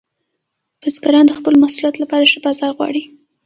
بزګران د خپلو محصولاتو لپاره ښه بازار غواړي.